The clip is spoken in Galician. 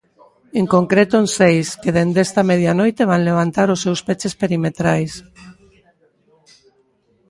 En concreto en seis, que dende esta medianoite van levantar os seus peches perimetrais.